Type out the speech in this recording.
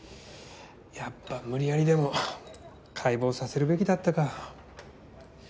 やっぱ無理矢理でも解剖させるべきだったか。